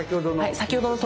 先ほどの。